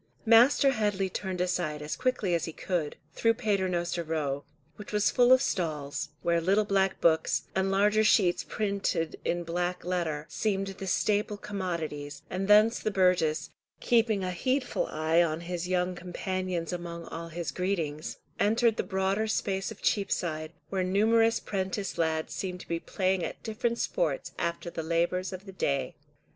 Master Headley turned aside as quickly as he could, through Paternoster Row, which was full of stalls, where little black books, and larger sheets printed in black letter, seemed the staple commodities, and thence the burgess, keeping a heedful eye on his young companions among all his greetings, entered the broader space of Cheapside, where numerous prentice lads seemed to be playing at different sports after the labours of the day.